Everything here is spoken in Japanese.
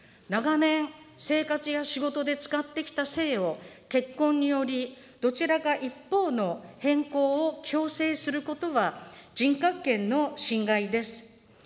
長年、生活や仕事で使ってきた姓を、結婚により、どちらか一方の変更を強制することは人格権の侵害です。